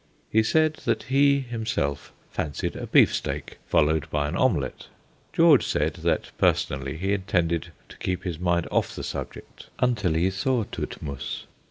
He said that he, himself, fancied a beefsteak, followed by an omelette. George said that, personally, he intended to keep his mind off the subject until he saw Todtmoos.